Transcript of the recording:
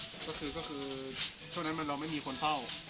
แต่ปกติก็ยังมีคนเข้าอยู่ตลอด